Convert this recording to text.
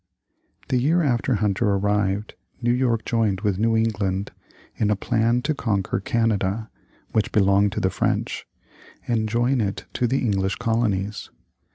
The year after Hunter arrived, New York joined with New England in a plan to conquer Canada (which belonged to the French) and join it to the English colonies.